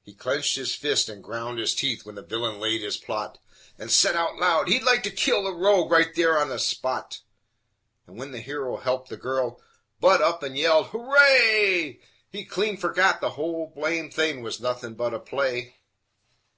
He clinched his fists and ground his teeth when the villain laid his plot And said out loud he'd like to kill the rogue right on the spot, And when the hero helped the girl, Budd up and yelled "Hooray!" He'd clean fergot the whole blame thing was nothing but a play.